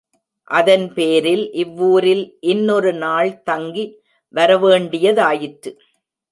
அதன்பேரில் இவ்வூரில் இன்னொரு நாள் தங்கி வரவேண்டியதாயிற்று.